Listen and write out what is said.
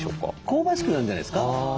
香ばしくなるんじゃないですか。